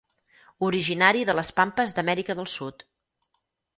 Originari de Les Pampes d'Amèrica del Sud.